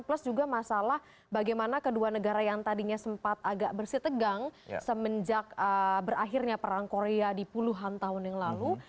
plus juga masalah bagaimana kedua negara yang tadinya sempat agak bersih tegang semenjak berakhirnya perang korea di puluhan tahun yang lalu